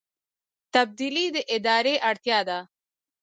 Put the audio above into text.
تبدیلي د ادارې اړتیا ده